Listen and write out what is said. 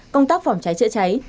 công tác phòng cháy chữa cháy